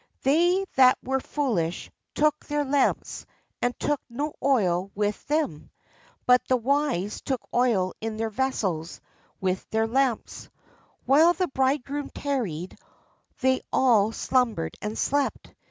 They that were foolish took their lamps, and took no oil with them. But the wise took oil in their vessels with their lamps. While the bridegroom tarried, they all slumbered and slept.